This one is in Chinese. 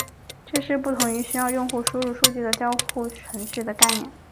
这是不同于需要用户输入数据的交互程序的概念。